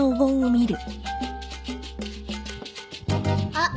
あっ。